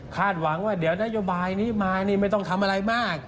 หวังว่าเดี๋ยวนโยบายนี้มานี่ไม่ต้องทำอะไรมาก